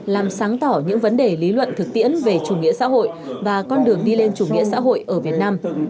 làm sáng tỏ những vấn đề lý luận thực tiễn về chủ nghĩa xã hội và con đường đi lên chủ nghĩa xã hội ở việt nam